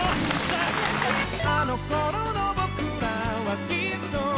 「あの頃の僕らはきっと」